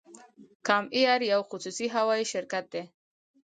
کام ایر یو خصوصي هوایی شرکت دی